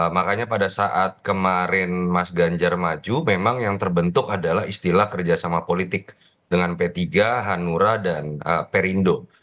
makanya pada saat kemarin mas ganjar maju memang yang terbentuk adalah istilah kerjasama politik dengan p tiga hanura dan perindo